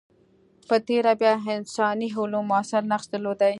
په تېره بیا انساني علوم موثر نقش درلودلی.